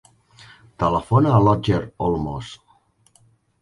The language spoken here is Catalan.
Telefona a l'Otger Olmos.